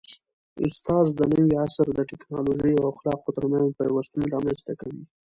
استاد د نوي عصر د ټیکنالوژۍ او اخلاقو ترمنځ پیوستون رامنځته کوي.